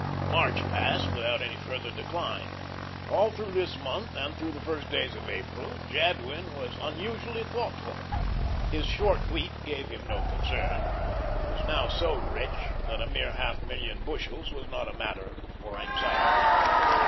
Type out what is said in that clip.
March passed without any further decline. All through this month and through the first days of April Jadwin was unusually thoughtful. His short wheat gave him no concern. He was now so rich that a mere half million bushels was not a matter for anxiety.